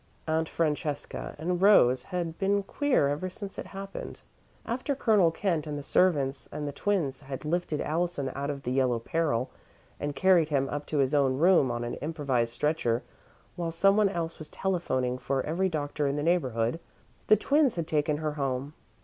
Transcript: Aunt Francesca and Rose had been queer ever since it happened. After Colonel Kent and the servants and the twins had lifted Allison out of "The Yellow Peril" and carried him up to his own room on an improvised stretcher, while someone else was telephoning for every doctor in the neighbourhood, the twins had taken her home.